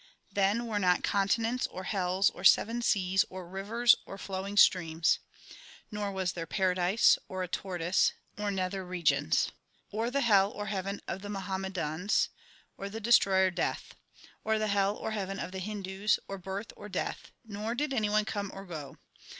Then were not continents, or hells, or seven seas, or rivers, or flowing streams. Nor was there paradise, or a tortoise, or nether regions ; Or the hell or heaven of the Muhammadans, or the De stroyer Death ; Or the hell or heaven of the Hindus, or birth or death ; nor did any one come or go.